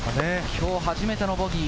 きょう初めてのボギー。